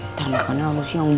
ntar makan harusnya yang gue